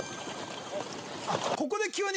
ここで急に。